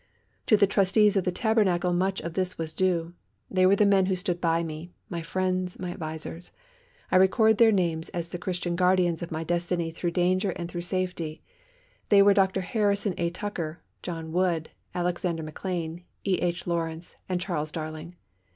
To the trustees of the Tabernacle much of this was due. They were the men who stood by me, my friends, my advisers. I record their names as the Christian guardians of my destiny through danger and through safety. They were Dr. Harrison A. Tucker, John Wood, Alexander McLean, E.H. Lawrence, and Charles Darling.